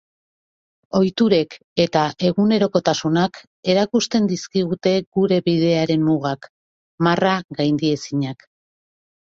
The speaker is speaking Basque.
Ohiturek eta egunerokotasunak erakusten dizkigute gure bidearen mugak, marra gaindiezinak.